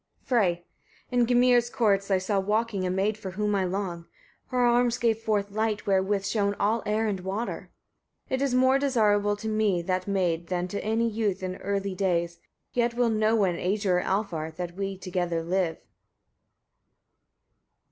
Frey. 6. In Gymir's courts I saw walking a maid for whom I long. Her arms gave forth light wherewith shone all air and water. 7. Is more desirable to me that maid than to any youth in early days; yet will no one, Æsir or Alfar, that we together live.